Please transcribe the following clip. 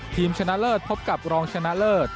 ชนะเลิศพบกับรองชนะเลิศ